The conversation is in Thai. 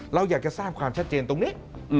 เราอยากจะทราบความชัดเจนตรงนี้